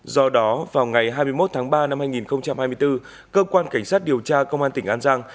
do đó vào ngày hai mươi một tháng ba năm hai nghìn hai mươi bốn cơ quan cảnh sát điều tra công an tỉnh an giang